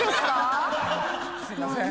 すいません。